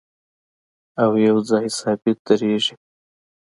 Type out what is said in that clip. او یو ځای ثابت درېږي